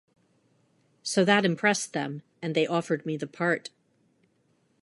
So that impressed them and they offered me the part.